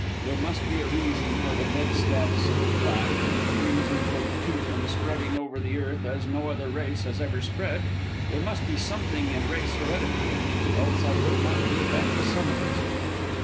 There must be a reason for the dead status of the black, a reason for the Teuton spreading over the earth as no other race has ever spread. There must be something in race heredity, else I would not leap at the summons."